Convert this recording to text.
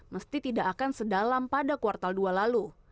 mesti tidak akan sedalam pada kuartal dua lalu